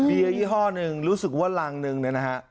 เบี้ยยี่ห้อนึงรู้สึกว่ารังนึงนะครับ